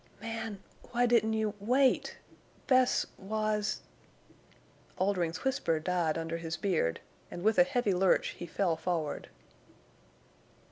"Man—why—didn't—you—wait? Bess—was—" Oldring's whisper died under his beard, and with a heavy lurch he fell forward.